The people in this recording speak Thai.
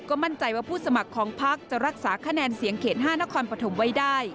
มั่นใจว่าผู้สมัครของพักจะรักษาคะแนนเสียงเขต๕นครปฐมไว้ได้